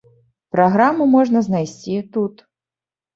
Праграму можна знайсці тут.